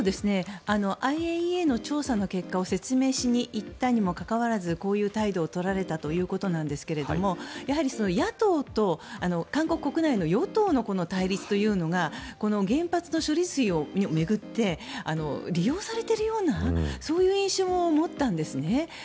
ＩＡＥＡの調査の結果を説明しに行ったにもかかわらずこういう態度を取られたということなんですがやはり野党と韓国国内の与党の対立というのが原発の処理水を巡って利用されているようなそういう印象を持ったんですね。